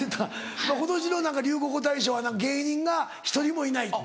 今年の流行語大賞は芸人が１人もいない。